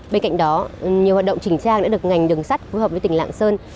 bên cạnh đó nhiều hoạt động chỉnh trang đã được ngành đường sắt phù hợp với tỉnh lạng sơn